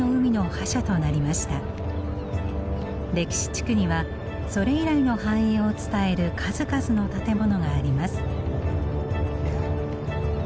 歴史地区にはそれ以来の繁栄を伝える数々の建物があります。